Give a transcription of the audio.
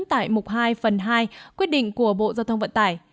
tại mục hai phần hai quyết định của bộ giao thông vận tải